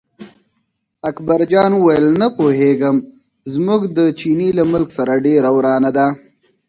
اکبرجان وویل نه پوهېږم، زموږ د چیني له ملک سره ډېره ورانه ده.